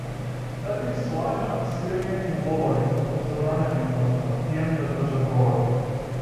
Дајте им сланина, сирење и ловори, но забранете им, господа, пијани да држат говори!